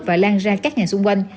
và lan ra các nhà xung quanh